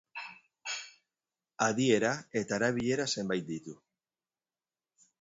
Adiera eta erabilera zenbait ditu.